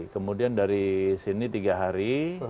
kemudian dari sini tiga hari